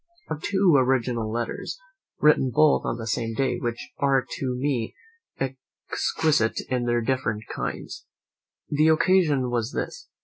I have two original letters, written both on the same day, which are to me exquisite in their different kinds. The occasion was this.